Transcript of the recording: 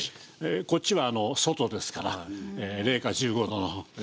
こっちは外ですから零下１５度の。